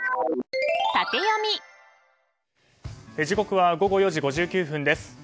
時刻は午後４時５９分です。